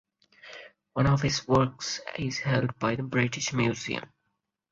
One of his works is held by the British Museum.